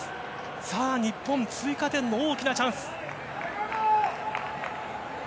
さあ、日本追加点の大きなチャンス。